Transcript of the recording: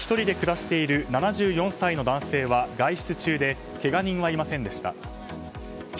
住宅に１人で暮らしている７４歳の男性は外出中でけが人はいませんでした。